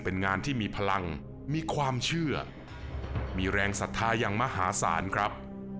เป็นงานที่มีพลังมีความเชื่อมีแรงศรัทธาอย่างมหาศาลครับ